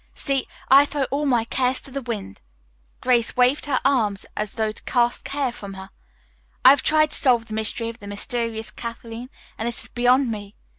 See, I throw all my cares to the winds." Grace waved her arms as though to cast Care from her. "I have tried to solve the mystery of the mysterious Kathleen and it is beyond me.